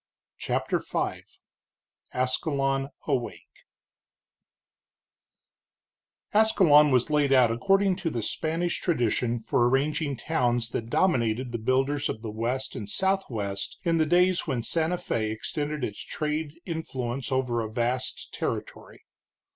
CHAPTER V ASCALON AWAKE Ascalon was laid out according to the Spanish tradition for arranging towns that dominated the builders of the West and Southwest in the days when Santa Fé extended its trade influence over a vast territory.